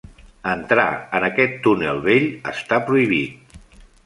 Entrar en aquest túnel vell està prohibit.